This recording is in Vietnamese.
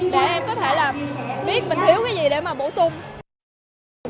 để em có thể biết mình thiếu cái gì để mà bổ sung